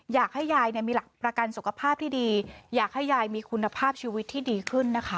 อยากให้ยายมีหลักประกันสุขภาพที่ดีอยากให้ยายมีคุณภาพชีวิตที่ดีขึ้นนะคะ